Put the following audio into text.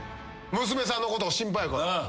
娘さんのことを心配やから。